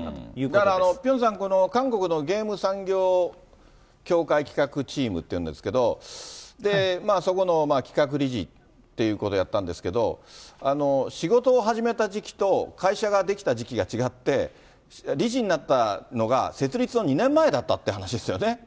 だからピョンさん、この韓国のゲーム産業協会企画チームっていうんですけど、そこの企画理事っていうことやったんですけど、仕事を始めた時期と会社が出来た時期が違って、理事になったのが、設立の２年前だったっていう話ですよね。